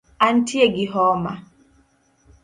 Antie gi homa